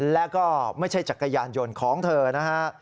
แล้วก็ไม่ใช่จักรยานยนต์ของเธอนะฮะ